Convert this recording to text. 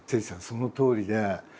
そのとおりで。